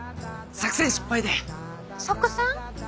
作戦？